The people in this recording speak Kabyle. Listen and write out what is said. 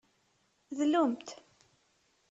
Dlumt.